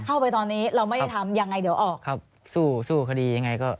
เข้าไปตอนนี้เราไม่ได้ทำยังไงเดี๋ยวออกครับสู้สู้คดียังไงก็